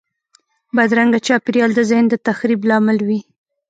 بدرنګه چاپېریال د ذهن د تخریب لامل وي